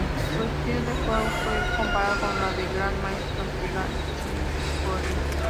Su estilo de juego fue comparado con el del gran maestro Mijaíl Chigorin.